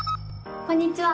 こんにちは。